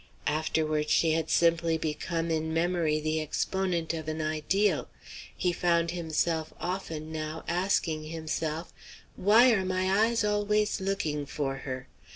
Afterward she had simply become in memory the exponent of an ideal. He found himself often, now, asking himself, why are my eyes always looking for her?